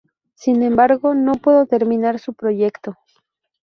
Sin embargo, no pudo terminar su proyecto.